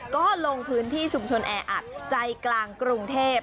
ก็ลงพื้นที่ชุมชนแออัดใจกลางกรุงเทพ